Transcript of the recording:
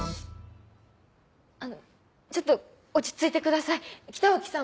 あのちょっと落ち着いてください北脇さんも。